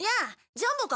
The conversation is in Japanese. ジャンボか。